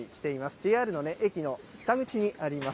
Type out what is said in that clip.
ＪＲの駅の北口にあります。